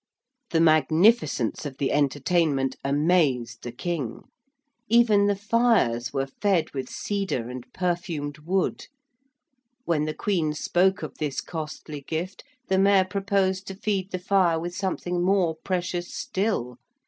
The magnificence of the entertainment amazed the King. Even the fires were fed with cedar and perfumed wood. When the Queen spoke of this costly gift the Mayor proposed to feed the fire with something more precious still.